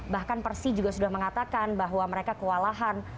bahkan persi juga sudah mengatakan bahwa mereka kewalahan